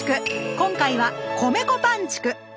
今回は「米粉パンちく」！